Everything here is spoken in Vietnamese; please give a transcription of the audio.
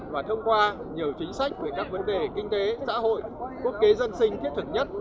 và thông qua nhiều chính sách về các vấn đề kinh tế xã hội quốc kế dân sinh thiết thực nhất